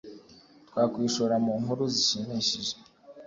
twakwishora mu nkuru zishimishije